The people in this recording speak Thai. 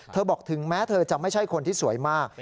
บอกถึงแม้เธอจะไม่ใช่คนที่สวยมาก